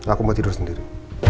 aku mau tidur sendiri